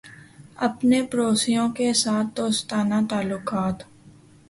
اپنے پڑوسیوں کے ساتھ دوستانہ تعلقات